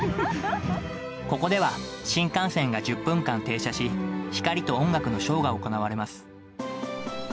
ここでは、新幹線が１０分間停車し、光と音楽のショーが行われます。